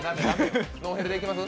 ノーヘルでいきます？